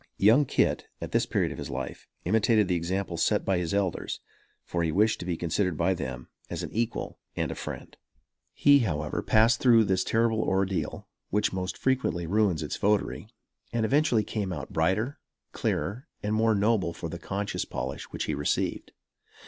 Young Kit, at this period of his life, imitated the example set by his elders, for he wished to be considered by them as an equal and a friend. He, however, passed through this terrible ordeal, which most frequently ruins its votary, and eventually came out brighter, clearer and more noble for the conscience polish which he received.